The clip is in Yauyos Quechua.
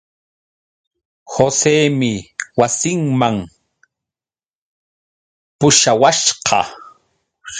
Joseemi wasinman pushawasqa.